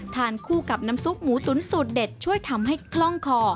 ทานคู่กับน้ำซุปหมูตุ๋นสูตรเด็ดช่วยทำให้คล่องคอ